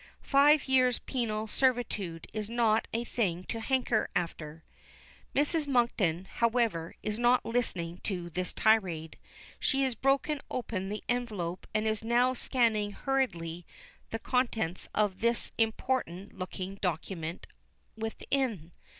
Five years' penal servitude is not a thing to hanker after." Mrs. Monkton, however, is not listening to this tirade. She has broken open the envelope and is now scanning hurriedly the contents of the important looking document within.